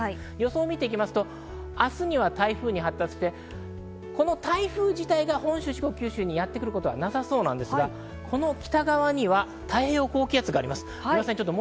明日には台風に発達してこの台風自体が本州にやってくることはなさそうですが、この北側に太平洋高気圧があります。